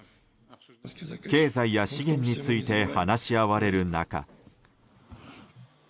経済や資源について話し合われる中。